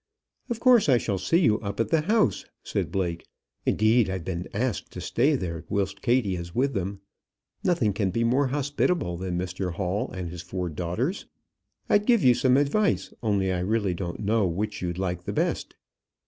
"Of course I shall see you up at the house," said Blake. "Indeed I've been asked to stay there whilst Kattie is with them. Nothing can be more hospitable than Mr Hall and his four daughters. I'd give you some advice, only I really don't know which you'd like the best.